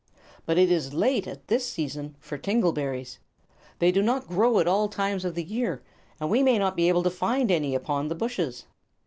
But it is late, at this season, for tingle berries. They do not grow at all times of the year, and we may not be able to find any upon the bushes."